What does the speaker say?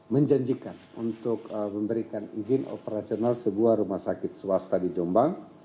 menjanjikan untuk memberikan izin operasional sebuah rumah sakit swasta di jombang